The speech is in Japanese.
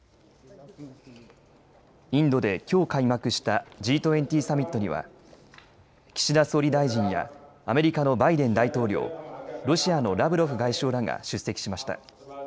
インドできょう開幕したＧ２０サミットには岸田総理大臣やアメリカのバイデン大統領ロシアのラブロフ外相らが出席しました。